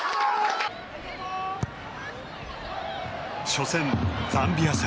初戦ザンビア戦。